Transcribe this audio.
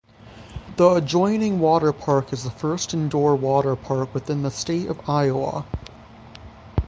The adjoining water park is the first indoor waterpark within the state of Iowa.